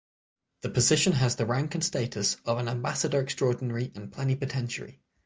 The position has the rank and status of an Ambassador Extraordinary and Plenipotentiary.